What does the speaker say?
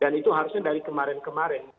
dan itu harusnya dari kemarin kemarin